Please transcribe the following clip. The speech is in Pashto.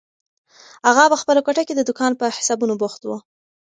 اغا په خپله کوټه کې د دوکان په حسابونو بوخت و.